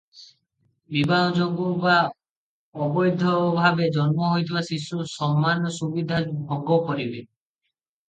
ବିବାହ ଯୋଗୁଁ ବା ଅବୈଧ ଭାବେ ଜନ୍ମ ହୋଇଥିବା ଶିଶୁ ସମାନ ସୁବିଧା ଭୋଗ କରିବେ ।